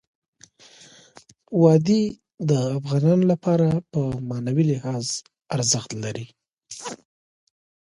وادي د افغانانو لپاره په معنوي لحاظ ارزښت لري.